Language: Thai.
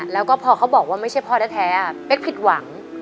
แล้วก็พอเขาบอกว่าไม่ใช่พ่อแท้เป๊กผิดหวัง